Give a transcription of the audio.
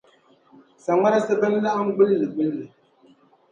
Saŋmarisi bɛn laɣim gbilligbilli.